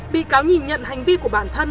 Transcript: bị cáo nhìn nhận hành vi của bản thân